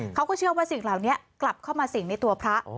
เขาก็เชื่อว่าสิ่งเหล่านี้กลับเข้ามาสิ่งในตัวพระ